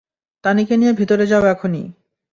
তানিকে নিয়ে ভিতরে যাও এখনই।